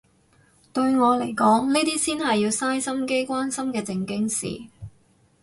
對我嚟講呢啲先係要嘥心機關心嘅正經事